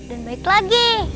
dan baik lagi